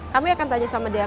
kami akan tanya sama dia